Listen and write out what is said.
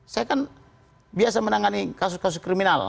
saya kan biasa menangani kasus kasus kriminal